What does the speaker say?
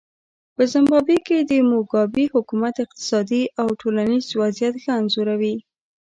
په زیمبابوې کې د موګابي حکومت اقتصادي او ټولنیز وضعیت ښه انځوروي.